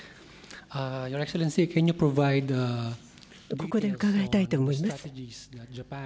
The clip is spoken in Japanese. ここで伺いたいと思います。